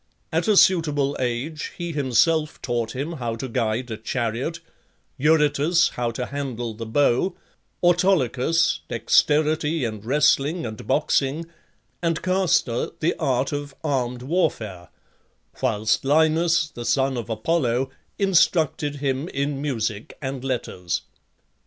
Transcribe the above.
At a suitable age he himself taught him how to guide a chariot; Eurytus, how to handle the bow; Autolycus, dexterity in wrestling and boxing; and Castor, the art of armed warfare; whilst Linus, the son of Apollo, instructed him in music and letters.